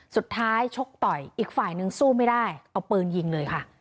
ชกต่อยอีกฝ่ายนึงสู้ไม่ได้เอาปืนยิงเลยค่ะ